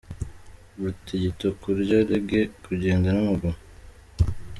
Agatigito, Kurya Reggae : Kugenda n’amaguru.